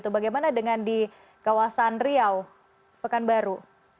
bagaimana dengan di kawasan riau pekanbaru